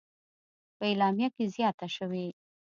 په اعلامیه کې زیاته شوې: